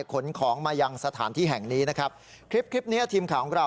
ขนของมายังสถานที่แห่งนี้นะครับคลิปคลิปเนี้ยทีมข่าวของเรา